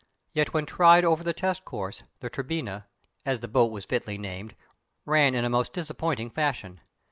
Yet when tried over the test course the Turbinia, as the boat was fitly named, ran in a most disappointing fashion.